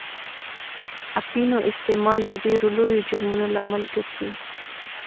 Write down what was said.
اپینو استعمال د ډېرو لویو جرمونو لامل ګرځي.